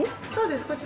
そうです。